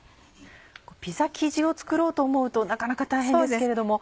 ピザ生地を作ろうと思うとなかなか大変ですけれども。